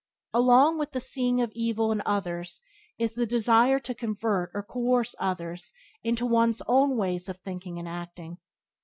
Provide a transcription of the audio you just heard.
Along with the seeing of evil in others is the desire to convert or coerce others into one's own ways of thinking and acting.